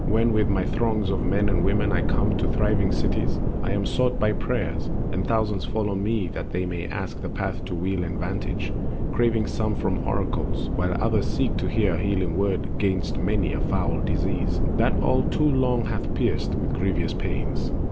When with my throngs of men and women I come To thriving cities, I am sought by prayers, And thousands follow me that they may ask The path to weal and vantage, craving some For oracles, whilst others seek to hear A healing word 'gainst many a foul disease That all too long hath pierced with grievous pains.